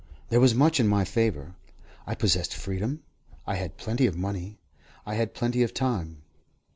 There was much in my favour. I possessed freedom; I had plenty of money; I had plenty of time.